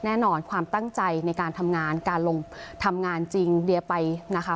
แน่นอนความตั้งใจในการทำงานการลงทำงานจริงเดียไปนะคะ